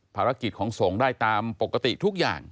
ภารกิจของสงฆ์ได้ตามปกติทุกอย่าง